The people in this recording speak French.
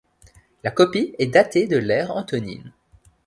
La copie est datée de l'ère antonine.